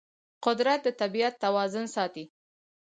قدرت د طبیعت توازن ساتي.